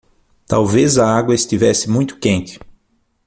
Talvez a água estivesse muito quente.